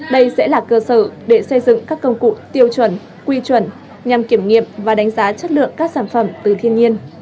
đây sẽ là cơ sở để xây dựng các công cụ tiêu chuẩn quy chuẩn nhằm kiểm nghiệm và đánh giá chất lượng các sản phẩm từ thiên nhiên